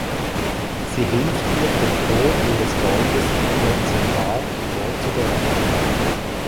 Sie hilft ihr den Tod ihres Freundes Hudson Hart vorzubereiten.